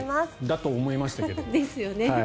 だと思いましたけど。